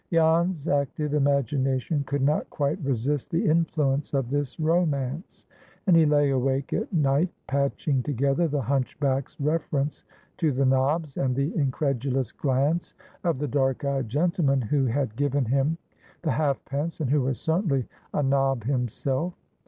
Jan's active imagination could not quite resist the influence of this romance, and he lay awake at night patching together the hunchback's reference to the nobs, and the incredulous glance of the dark eyed gentleman who had given him the half pence, and who was certainly a nob himself.